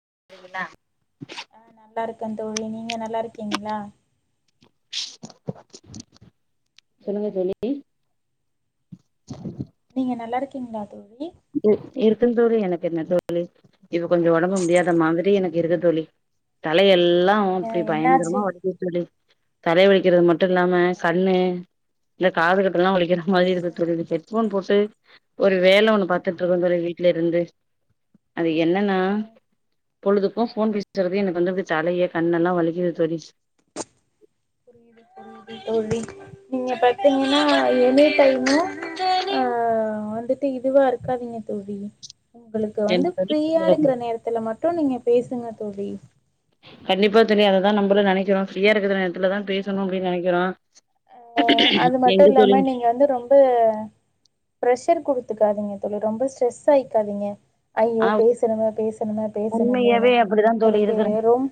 [unintelligible] ஆ நல்லா இருக்கே தோழி நீங்க நல்லா இருக்கீங்களா சொல்லுங்க தோழி நீங்க நல்லா இருக்கீங்களா தோழி இருக் இருக்கே தோழி எனக்கு என்ன தோழி இப்ப கொஞ்சோ ஒடம்பு முடியாத மாதிரி எனக்கு இருக்குது தோழி தல எல்லா அ அப்டி என்னாச்சு பயங்கரமா வலிக்குது தோழி தலை வலி இது மட்டுமில்லாம ஆஹா கண்ணு இந்த காது கிட்டலா வலிக்கிற மாதிரி ஆஹா இருக்குது தோழி இப்ப ஹெட்ஃபோன் போட்டு ஒரு வேல ஒண்ணு பாத்துட்டுருக்கோ தோழி வீட்ல இருந்து அது என்னனா ஆஹா பொழுதுக்கோ ஃபோன் பேஸ்ட்றதே எனக்கு வந்து தலையே கண்ணெல்லா வலிக் [unintelligible] [inaudible] தோழி நீங்க பத் தீங்கன்னா எனி டைய்மு ஆ வந்துட்டு இதுவா இருக்காதீங்க தோழி உங்களுக்கு என்ன வந்து தோழி ஃப்ரீயா இருக்கற நேரத்துல மட்டு நீங்க பேசுங்க தோழி கண்டிப்பா தெரியு அததா நம்பளு நெனைக்கிறோ ஃப்ரீயா இருக்கற நேத்துல தா ம் பேசணு அப்டின்னு நெனைக்கிறோ அ அது மட்டு எங்க தோழி இல்லாம நீங்க வந்து ரொம்ப ப்ரெஷர் குடுத்துக்காதீங்க தோழி ரொம்ப ஸ்ட்ரெஸ் ஆயிக்காதீங்க ஐயோ ஆனா பேசணுமே பேசணுமே பேசணுமேன்னு உண்மையாவே அப்டிதா தோழி உங்களுக்கு இருக்கு ரொம்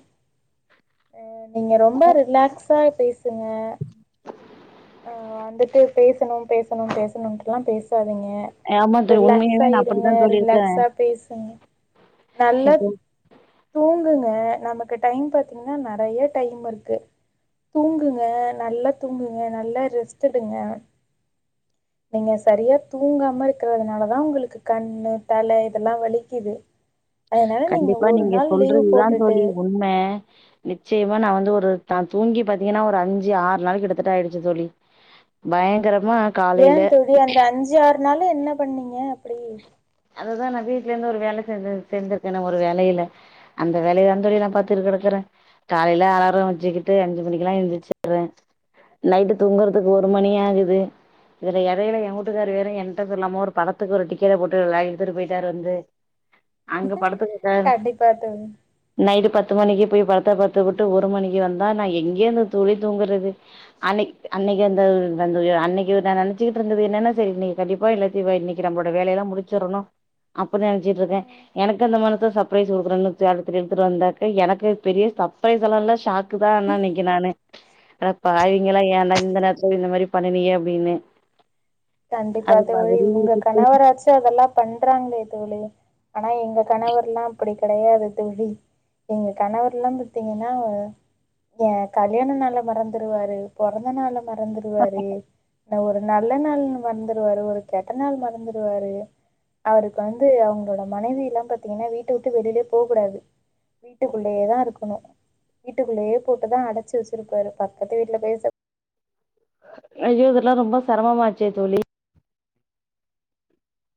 அ நீங்க ரொம்ப ரிலாக்ஸா பேசுங்க ஆ வந்துட்டு பேசணு பேசணு பேசணுட்டுல்லா பேசாதி திங்க ஆமா தோழி உண்மையாவே ரிலாக்ஸா நான் இருங்க அப்படித்தா தோழி இருக்கே ரிலாக்ஸா பேசுங்க நல்லா இப்போ தூங்குங்க நமக்கு டைம் பாத்தீங்கன்னா நறைய டையமிருக்கு தூங்குங்க நல்லா தூங்குங் ங்க நல்லா ரெஸ்டெடுங்க நீங்க சரியா தூங்காமருக்கறதுனால தா உங்களுக்கு கண்ணு தல இதெல்லா வலிக்கிது கண்டிப்பா நீங்க சொல்றதுதா போட்டுட்டு தோழி உண்ம நிச்சயமா நா வந்து ம் ஒரு த தூங்கி பாத்தீங்கன்னா ஒரு அஞ்சு ஆறு நாளைக்கிட்டத்தட்ட ஆயிடுச்சு தோழி பயங்கர ஏன் தோழி அந்த அஞ்சுறு நாள்ல என்ன பண்ணீங்க அப்டி அதுதா நா வீட்லருந்து ஒரு வேல சேந்துருக் சேந்துருக்கனே ஒரு வேலையில அந்த வேலையதா தோழி நா ம் பாத்துருக் இருக்குறே காலையில அலாரோ வெச்சுக்கிட்டு அஞ்சு மணிக்கெல்லா எழுந்திச்சறே தோ [inaudible] நைட்டு தூங்கறதுக்கு ஒரு மணி ம்ஹ்ம் ஆகுது இதுல எடையில என் உட்டுக்காரு வேற ம்ஹ்ம் என்ட சொல்லாம ஒரு படத் த்துக்கொரு ஒரு டிக்கெட்டப் போட்டுல இழுத்துட்டு பொயிட்டாரு வந்து அங்க படத்துக்குப்ட கண்டிப்பா தோழி. நைட்டு பத்து ம் மணிக்கி போய் படத்து டப்பாத்துப்புட்டு ஒரு மணிக்கி வந்தா நா எங்கேருந்து தோழி தூங்கறது அன்னைக் அன்னைக்கி அந்த ம்ஹ்ம் வந்து அன்னைக் இவுங்க நெனைச்சிட்ருந்தது என்னென்ன தெரியலையே கண்டிப்பா இல்லாட்டிவ இன்னைக்கி நம்ளோட வேலையில்லா முடிச்சத்தோன்னு அப்டித்தா நெனைச்சிட்டுருக்கே ம் எனக்கு அந்த மரித்தா சர்பரைஸ் குடுக்குறன்னு [unintelligible] எடுத்துட்டு வந்தாக்க எனக்கே பெரிய சப்ரைஸெல்லால்லா ஷாக்கு தா ஆனா அன்னைக்கி நானு அடப்பாவிங்களா ஏன்டா இந்த நேரத்துல இந்த மாரி பண்ணுனியே அப்டின்னு கண்டிப்பா அது தோழி மாதிரி உங்க கணவராச்சு அதெல்லா பண்றாங்ளே தோழி ஆனா எங்க கணவர்லா அப்டி கடையாது தோழி உங்க கணவர்லா பாத்தீங்கனா ஏ கல்யாணனால மறந்துருவாரு பொறந்தனால மறந்துருவாரு அ ஒரு நல்ல நாள்ங்க மறந்துருவாரு ஒரு கெட்ட நாள் மறந்துடுவாரு அவருக்கு வந்து அவங்களோட மனைவியெல்லா பாத்தீங்கன்னா வீட்ட விட்டு வெளியிலயே போக்கூடாது வீட்டுக்குள்ளேயே தா இருக்கணு வீட்டுக்குள்ளேயே போட்டுதா அடைச்சு வெச்சுருப்பாரு பக்கத்து வீட்ல பேச ஐயோ இதெல்லா ரொம்ப சிரமமாச்சே தோழி